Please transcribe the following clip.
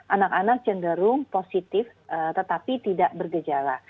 anak anak cenderung positif tetapi tidak bergejala